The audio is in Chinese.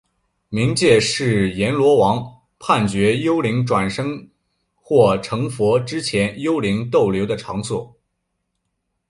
冥界是阎罗王判决幽灵转生或成佛之前幽灵逗留的场所。